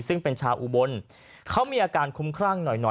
ซึ่งเป็นชาวอุบลเขามีอาการคุ้มครั่งหน่อยหน่อย